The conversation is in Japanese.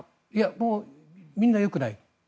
もうみんなよくない。